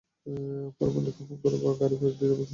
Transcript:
পরে মালিককে ফোন করে গাড়ি ফেরত দিতে বিকাশের মাধ্যমে টাকা নেয়।